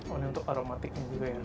oh ini untuk aromatic nya juga ya